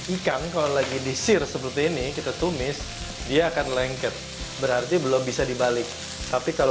ikan kalau lagi disir seperti ini kita tumis dia akan lengket berarti belum bisa dibalik tapi kalau